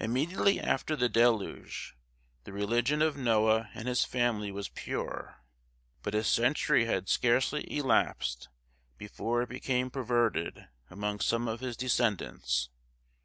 Immediately after the deluge, the religion of Noah and his family was pure; but a century had scarcely elapsed before it became perverted among some of his descendants.